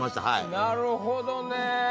なるほどね。